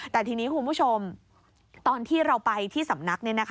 แต่ทีนี้คุณผู้ชมตอนที่เราไปที่สำนัก